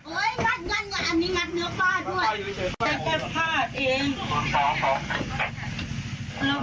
โอ้ยนัดกันกันอันนี้นัดเนื้อป้าด้วย